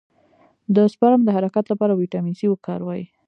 د سپرم د حرکت لپاره ویټامین سي وکاروئ